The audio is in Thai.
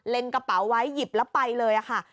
กระเป๋าไว้หยิบแล้วไปเลยค่ะ